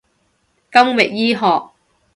金域醫學